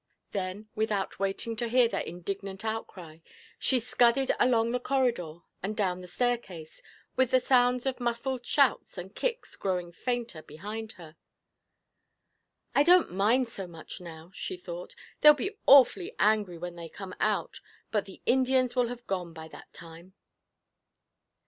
Then, without waiting to hear their indignant outcry, she scudded along the corridor and down the staircase, with the sounds of muffled shouts and kicks growing fainter behind her. 'I don't mind so much now,' she thought; 'they'll be awfully angry when they come out but the Indians will have gone by that time!'